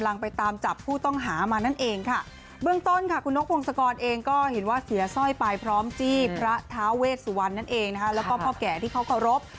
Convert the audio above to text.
แล้วก็พ่อแก่ที่เขากรบ